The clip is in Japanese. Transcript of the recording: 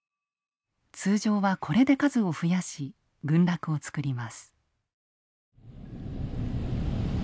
通常はこれで数を増やし群落を作ります。